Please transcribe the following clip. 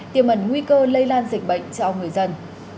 tiềm ẩn nguy cơ lây lan dịch bệnh cho người dân